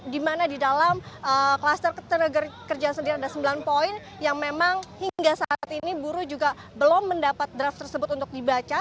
di mana di dalam kluster ketenaga kerjaan sendiri ada sembilan poin yang memang hingga saat ini buruh juga belum mendapat draft tersebut untuk dibaca